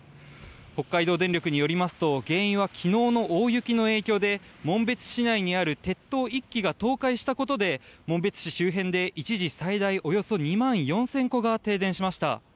北海道電力によりますと原因は昨日の大雪の影響で紋別市内にある鉄塔１基が倒壊したことで紋別市周辺で一時最大およそ２万４０００戸が停電しました。